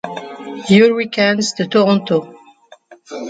Hurricanes de Toronto.